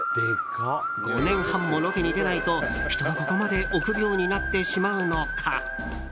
５年半もロケに出ないと、人はここまで臆病になってしまうのか。